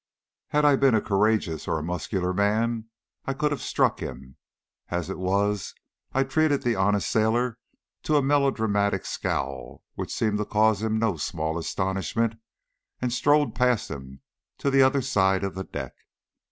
Had I been a courageous or a muscular man I could have struck him. As it was, I treated the honest sailor to a melodramatic scowl which seemed to cause him no small astonishment, and strode past him to the other side of the deck.